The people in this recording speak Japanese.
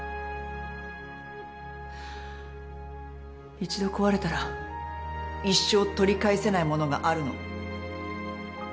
１度壊れたら一生取り返せないものがあるの。